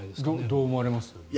どう思われますか。